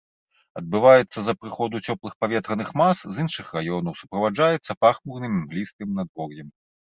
Адбываецца з-за прыходу цёплых паветраных мас з іншых раёнаў, суправаджаецца пахмурным імглістым надвор'ем.